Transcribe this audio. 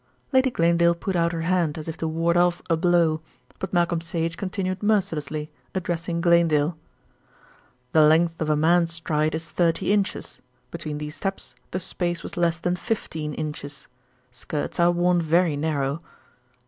Lady Glanedale put out her hand as if to ward off a blow; but Malcolm Sage continued mercilessly, addressing Glanedale. "The length of a man's stride is thirty inches; between these steps the space was less than fifteen inches. Skirts are worn very narrow."